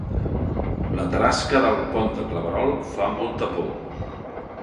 La tarasca del Pont de Claverol fa molta por